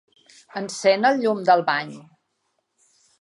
Encén el llum del bany.